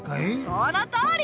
そのとおり！